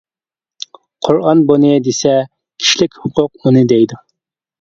قۇرئان «بۇنى» دېسە، كىشىلىك ھوقۇق «ئۇنى» دەيدۇ.